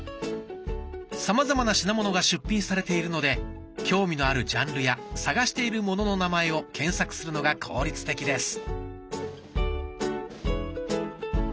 さまざまな品物が出品されているので興味のあるジャンルや探しているものの名前を検索するのが効率的です。